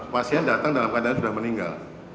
pasien datang dalam keadaan sudah meninggal